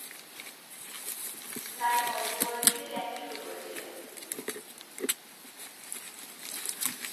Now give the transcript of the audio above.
রায় অল্প বয়সেই লেখা শুরু করেছিলেন।